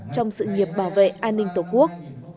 trong sự nghiệp bảo vệ an ninh tổ quốc